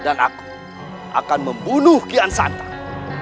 dan aku akan membunuh kian santang